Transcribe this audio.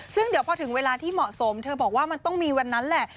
ซึ่งเดี๋ยวพอถึงเวลาที่เหมาะสมเธอบอกว่ามันต้องมีวันนั้นแหละ